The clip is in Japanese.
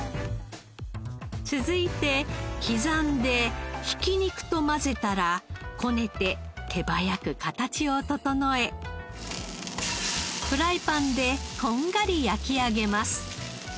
続いて刻んで挽き肉と混ぜたらこねて手早く形を整えフライパンでこんがり焼き上げます。